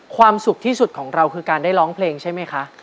ความสุขที่สุดของเราคือการได้ร้องเพลงใช่ไหมคะ